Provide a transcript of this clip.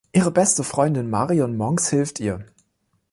Ihre beste Freundin Marion Monks hilft ihr.